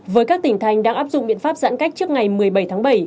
với các tỉnh thành đang áp dụng biện pháp giãn cách trước ngày một mươi bảy tháng bảy